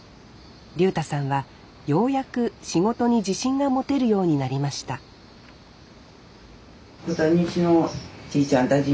竜太さんはようやく仕事に自信が持てるようになりました小谷石のじいちゃんたち